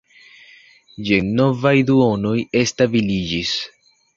Jen novaj duonoj establiĝis.